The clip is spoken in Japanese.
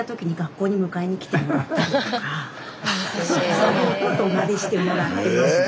そういうことまでしてもらってました。